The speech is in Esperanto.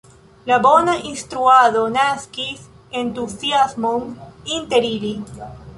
La bona instruado naskis entuziasmon inter ili.